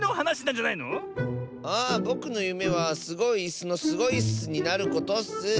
あぼくのゆめはスゴいいすの「スゴいっす」になることッス。